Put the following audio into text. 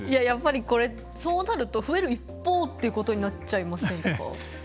やっぱり、そうなると増える一方っていうことになっちゃいませんか？